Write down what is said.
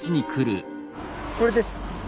これです。